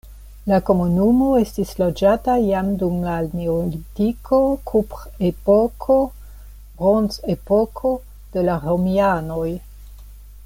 La komunumo estis loĝata jam dum la neolitiko, kuprepoko, bronzepoko, de la romianoj.